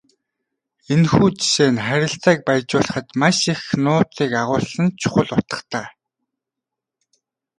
Энэхүү жишээ нь харилцааг баяжуулахад маш их нууцыг агуулсан чухал утгатай.